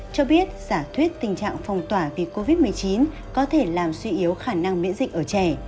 cho biết giả thuyết tình trạng phong tỏa vì covid một mươi chín có thể làm suy yếu khả năng miễn dịch ở trẻ